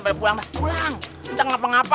mendukung apa kemuan bos hahaha